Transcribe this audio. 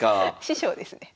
師匠ですね。